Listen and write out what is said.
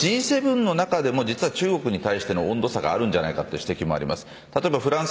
そうした中でＧ７の中でも中国に対しての温度差があるんじゃないかという指摘もあります。